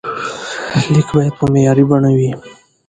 لیک باید په معیاري بڼه وي.